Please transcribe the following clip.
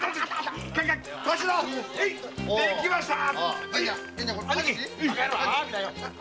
頭できました！